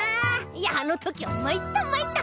いやあのときはまいったまいった！